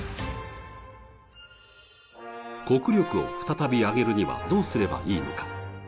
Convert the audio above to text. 国力を再び上げるには、どうすればいいのか。